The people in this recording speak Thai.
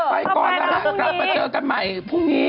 ไปก่อนนะฮะกลับมาเจอกันใหม่พรุ่งนี้